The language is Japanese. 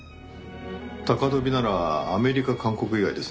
高飛びならアメリカ韓国以外ですね。